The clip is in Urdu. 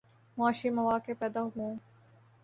معاشی مواقع پیدا ہوں۔